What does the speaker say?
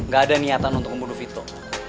gak ada niatan untuk membunuh vito